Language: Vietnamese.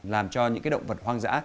làm cho những cái động vật hoang dã